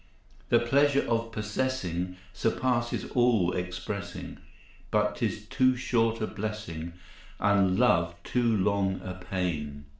The pleasure of possessing Surpasses all expressing, But 'tis too short a blessing, And love too long a pain.